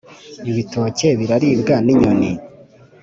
ibitoke biraribwa n' inyoni!”